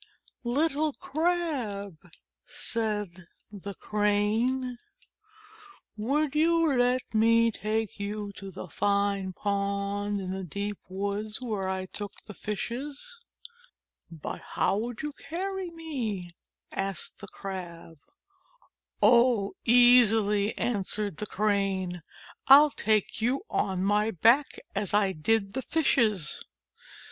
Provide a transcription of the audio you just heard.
"Little Crab," said the Crane, "would you let me take you to the fine pond in the deep woods where I took the Fishes ?" "But how could you carry me?" asked the Crab. "Oh, easily," answered the Crane. "I'll take you on my back as I did the Fishes."